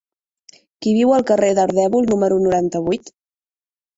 Qui viu al carrer d'Ardèvol número noranta-vuit?